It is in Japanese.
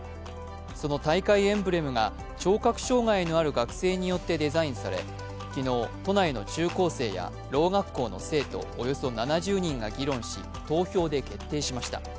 その大会エンブレムが聴覚障害のある学生によってデザインされ昨日、都内の中高生やろう学校の生徒およそ７０人が議論し投票で決定しました。